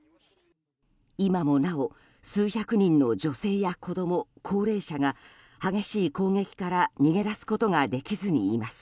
今もなお数百人の女性や子供高齢者が激しい攻撃から逃げ出すことができずにいます。